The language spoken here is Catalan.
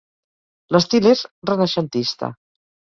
L'estil és renaixentista.